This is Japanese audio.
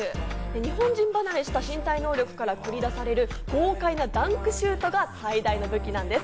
日本人離れした身体能力から繰り出される豪快なダンクシュートが最大の武器なんです。